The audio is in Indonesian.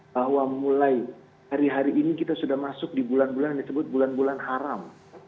bahwa mulai hari hari ini kita sudah masuk di bulan bulan yang disebut bulan bulan haram